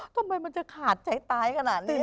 ทำไมมันจะขาดใจตายขนาดนี้